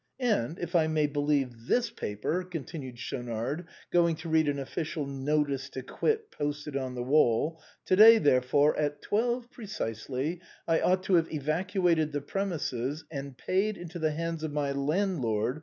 And if I may believe this paper," continued Schaunard, going to read an official notice to quit posted on the wall, " to day, therefore, at twelve precisely, I ought to have evacuated the premises, and paid into the hands of my landlord.